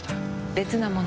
別なもの？